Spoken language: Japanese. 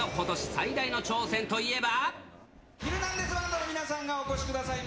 最大の挑戦といえば。